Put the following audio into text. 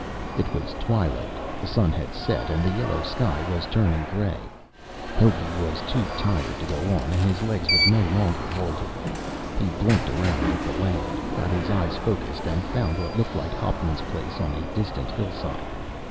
It was twilight. The sun had set, and the yellow sky was turning gray. Hogey was too tired to go on, and his legs would no longer hold him. He blinked around at the land, got his eyes focused, and found what looked like Hauptman's place on a distant hillside.